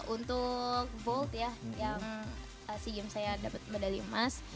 untuk volt ya yang sea games saya dapat medali emas